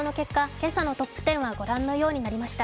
今朝のトップ１０はご覧のようになりました。